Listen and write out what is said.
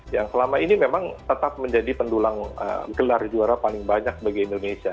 yang selama ini memang tetap menjadi pendulang gelar juara paling banyak bagi indonesia